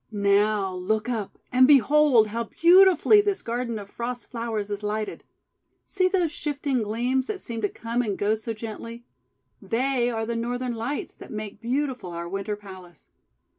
"Now, look up, and behold how beautifully this Garden of Frost Flowers is lighted. See those shifting gleams that seem to come and go 308 THE WONDER GARDEN so gently. They are the Northern Lights that make beautiful our Winter Palace.